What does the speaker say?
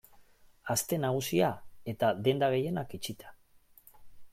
Aste Nagusia eta denda gehienak itxita.